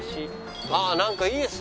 ああなんかいいですね！